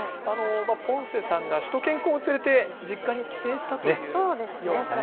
ポンセさんがしゅと犬くんを連れて実家に帰省したというような。